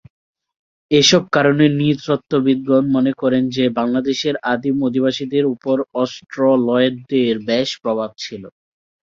এসব কারণে নৃতত্ত্ববিদগণ মনে করেন যে, বাংলাদেশের আদিম অধিবাসীদের ওপর অস্ট্রোলয়েডদের বেশ প্রভাব ছিল।